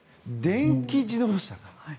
電気自動車。